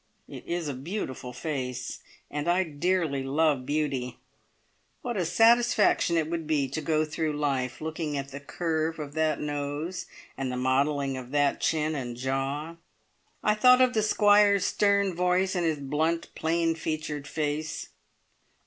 It is a beautiful face, and I dearly love beauty. What a satisfaction it would be to go through life looking at the curve of that nose and the modelling of that chin and jaw! I thought of the Squire's stern voice, and his blunt, plain featured face.